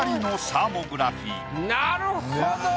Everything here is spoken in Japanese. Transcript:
なるほどね。